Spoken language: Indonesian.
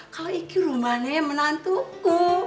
kalau ini rumahnya ya menantu ku